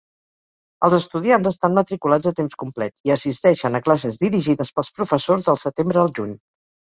Els estudiants estan matriculats a temps complet i assisteixen a classes dirigides pels professors del setembre al juny.